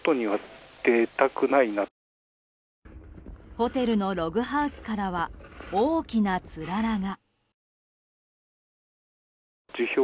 ホテルのログハウスからは大きなつららが。